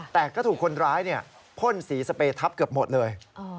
แต่ก็ถูกคนร้ายพ่นสีสเปรทับเกือบหมดเลย